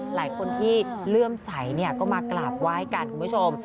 หลายคนที่เลื่อมใสเนี่ยก็มากราบไหว้กันคุณผู้ชม